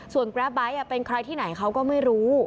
ส่วนแกรปไบท์เป็นใครที่ไหนเขาก็ไม่รู้